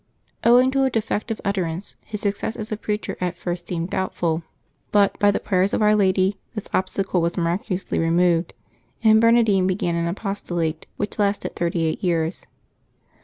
Owing to a de fective utterance, his success as a preacher at first seemed doubtful, but, by the prayers of Our Lady, this obstacle was miraculously removed, and Bernardine began an apos tolate which lasted thirty eight years.